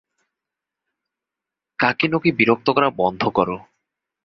কাকিনোকে বিরক্ত করা বন্ধ করো।